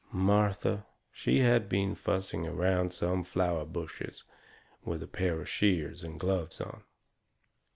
Martha, she had been fussing around some flower bushes with a pair of shears and gloves on.